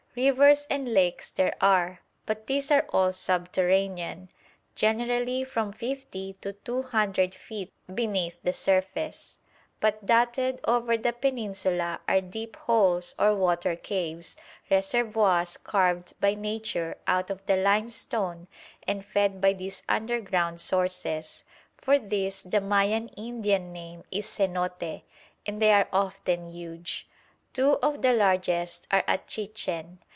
Rivers and lakes there are, but these are all subterranean, generally from fifty to two hundred feet beneath the surface. But dotted over the Peninsula are deep holes or water caves, reservoirs carved by nature out of the limestone and fed by these underground sources. For these the Mayan Indian name is "cenote," and they are often huge. Two of the largest are at Chichen.